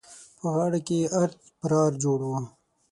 په غاړه کې يې ارت پرار جوړ وو.